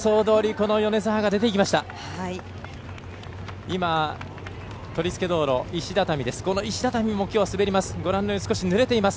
この石畳も滑ります。